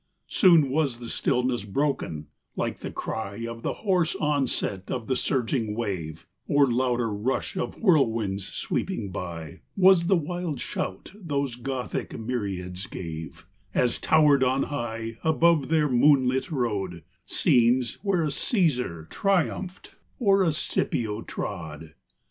Soon was that stillness broken : like the cry Of the hoarse onset of the surging wave, Or louder rush of whirlwinds sweeping by Was the wild shout those Gothic myriads gave, As towered on high, above their moonlit road, Scenes where a Caesar triumpht, or a Scipio trod.